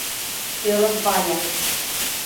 — Ӧрын Фая.